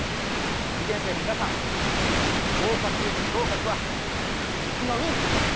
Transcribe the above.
受験生の皆さん合格、不合格は時の運！